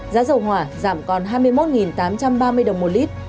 giá dầu hỏa giảm còn hai mươi một tám trăm ba mươi đồng một lít